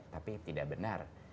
tapi tidak benar